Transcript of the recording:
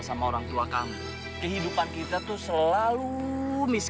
sampai jumpa di video selanjutnya